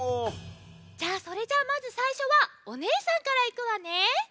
それじゃあまずさいしょはおねえさんからいくわね。